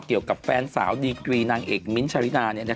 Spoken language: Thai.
เกี่ยวกับแฟนสาวดีกรีนางเอกมิ้นท์ชารินา